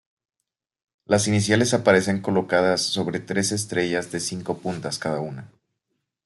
Las iniciales aparecen colocadas sobre tres estrellas de cinco puntas cada una.